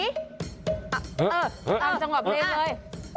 เออตามจังหวะเพลงเลย